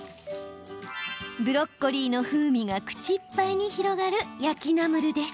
ブロッコリーの風味が口いっぱいに広がる焼きナムルです。